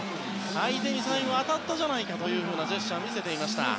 相手に最後当たったじゃないかというジェスチャーを見せていました。